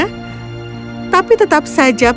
tapi tetap saja pangeran dolor tidak mencari kebutuhan